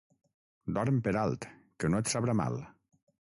Dorm per alt, que no et sabrà mal.